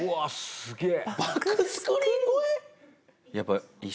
すげえ！